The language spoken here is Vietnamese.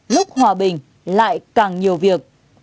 lúc hòa bình lại càng nhiều việc